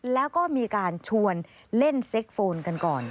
แล้วก็มีการชวนเล่นเซ็กโฟนกันก่อน